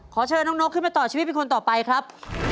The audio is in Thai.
ขอเชิญน้องนกขึ้นมาต่อชีวิตเป็นคนต่อไปครับ